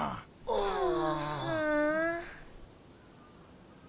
ああ。